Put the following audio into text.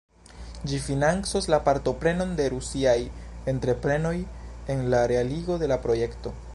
Ĝi financos la partoprenon de rusiaj entreprenoj en la realigo de la projekto.